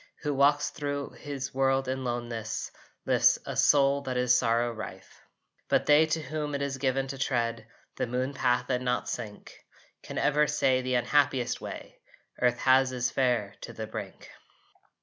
Who walks thro his world in loneness lifts A soul that is sorrow rife. But they to whom it is given to tread The moon path and not sink Can ever say the unhappiest way Earth has is fair, to the brink.